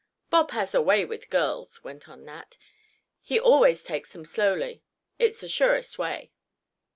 "Bob has a way with girls," went on Nat, "he always takes them slowly—it's the surest way."